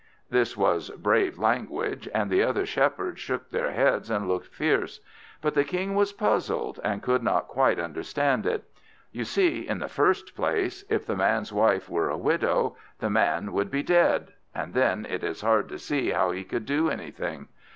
This was brave language, and the other Shepherds shook their heads and looked fierce. But the King was puzzled, and could not quite understand it. You see, in the first place, if the man's wife were a widow, the man would be dead; and then it is hard to see how he could do anything.